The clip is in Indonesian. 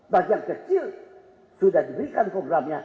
bagian kecil sudah diberikan programnya